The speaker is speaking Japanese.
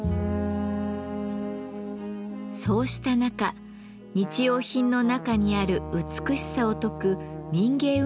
そうした中日用品の中にある美しさを説く民芸運動が起こりました。